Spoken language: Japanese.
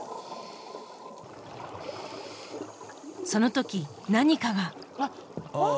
その時何かが！あっ！